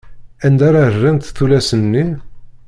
Anda ara rrent tullas-nni?